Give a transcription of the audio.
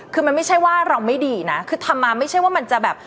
คือมันไม่ใช่ว่าเราไม่ดีนะคือทำมาไม่ใช่ว่ามันจะแบบ